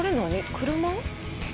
車？